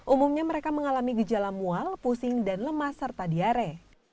umumnya mereka mengalami gejala mual pusing dan lemas serta diare